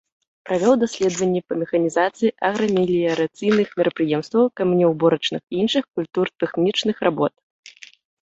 Правёў даследаванні па механізацыі аграмеліярацыйных мерапрыемстваў, каменеўборачных і іншых культуртэхнічных работ.